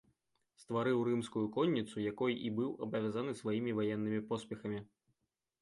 Стварыў рымскую конніцу, якой і быў абавязаны сваімі ваеннымі поспехамі.